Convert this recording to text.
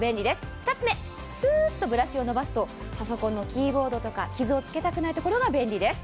２つ目、スーッとブラシを伸ばすとパソコンのキーボードとか傷をつけたくないところが便利です。